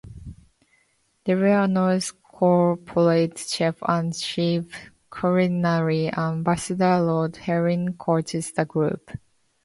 Delaware North's corporate chef and chief culinary ambassador Roland Henin coached the group.